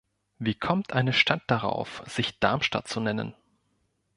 Wie kommt eine Stadt darauf, sich Darmstadt zu nennen?